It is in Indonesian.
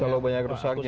terlalu banyak rusaknya